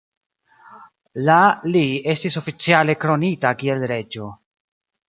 La li estis oficiale kronita kiel reĝo.